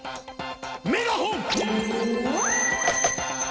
メガホン！